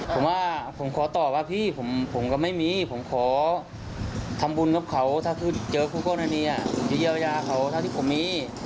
ผมว่าผมขอตอบว่าพี่ผมก็ไม่มีผมขอทำบุญกับเขาถ้าเจอคู่กรณีผมจะเยียวยาเขาเท่าที่ผมมี